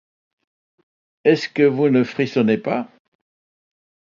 Est-ce que vous ne frissonnez pas?